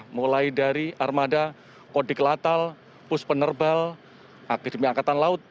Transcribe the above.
mulai dari armada kodiklatal pus penerbal akademi angkatan laut